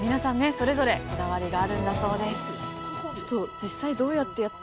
それぞれこだわりがあるんだそうです